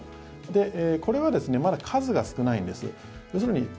これはまだ数が少ないんです。